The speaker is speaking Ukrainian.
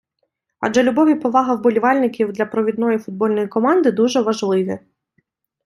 Адже любов і повага вболівальників для провідної футбольної команди дуже важливі.